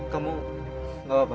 kamu gak apa apa